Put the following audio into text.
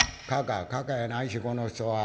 「嬶やないしこの人は。